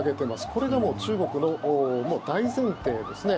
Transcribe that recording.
これが中国の大前提ですね。